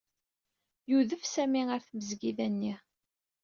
Yudef Sami ɣer tmesgida-nni.